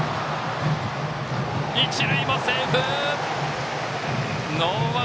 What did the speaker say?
一塁もセーフ。